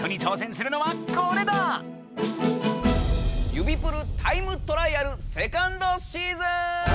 「指プルタイムトライアルセカンドシーズン！」。